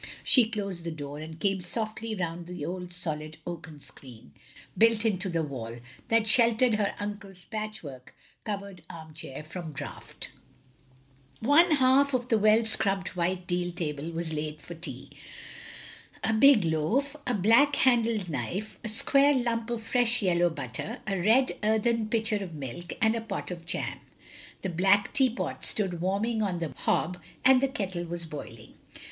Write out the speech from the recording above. She closed the door and came softly round the old solid oaken screen, built into the wall, that sheltered her uncle's patchwork covered arm chair from draught. One half of the well scrubbed white deal table was laid for tea. A big loaf, a black handled knife, a square Itunp of fresh yellow butter, a red earthen pitcher of milk, and a pot of jam. The black teapot stood warming on the hob, and the kettle was boiling.